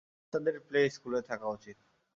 বাচ্চাদের প্লে স্কুলে থাকা উচিত।